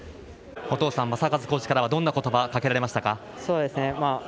おとうさん正和コーチからはどんなことばをかけられましたか。